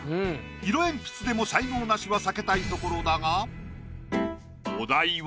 色鉛筆でも才能ナシは避けたいところだがお題は。